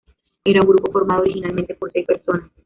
Era un grupo formado originalmente por seis personas.